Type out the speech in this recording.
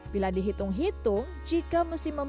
bila dihitungin itu adalah stroller